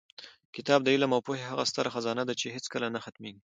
کتاب د علم او پوهې هغه ستره خزانه ده چې هېڅکله نه ختمېږي.